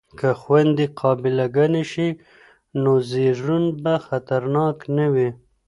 که خویندې قابله ګانې شي نو زیږون به خطرناک نه وي.